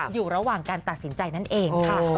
อยู่ระหว่างการตัดสินใจนั่นเองค่ะ